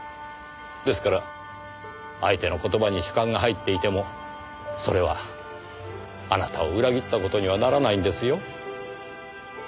ですから相手の言葉に主観が入っていてもそれはあなたを裏切った事にはならないんですよ。